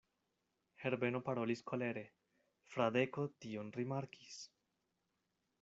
Herbeno parolis kolere: Fradeko tion rimarkis.